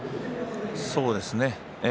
そうですね。